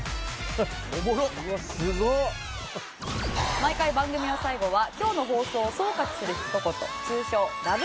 毎回番組の最後は今日の放送を総括するひと言通称ラブ！！